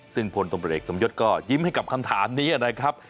ซึ่งพลตำรวจเอกสมยศก็ยิ้มให้กับคำถามนี้นะครับ